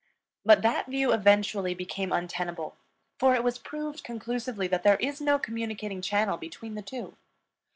But that view eventually became untenable, for it was proved conclusively that there is no communicating channel between the two.